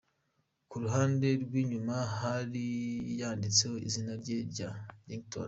Ku ruhande rw’inyuma yari yanditseho izina rye rya Ringtone.